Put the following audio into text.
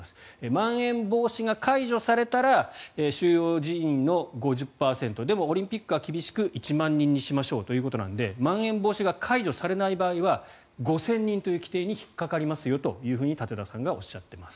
まん延防止が解除されたら収容人員の５０％でもオリンピックは厳しく１万人にしましょうということなのでまん延防止が解除されない場合は５０００人という規定に引っかかりますよと舘田さんがおっしゃってます。